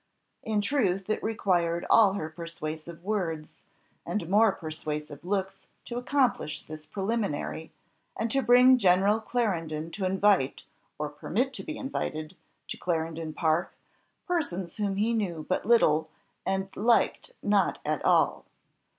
In truth, it required all her persuasive words, and more persuasive looks to accomplish this preliminary, and to bring General Clarendon to invite, or permit to be invited, to Clarendon Park, persons whom he knew but little, and liked not at all.